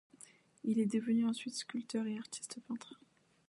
Il est devenu ensuite sculpteur et artiste peintre.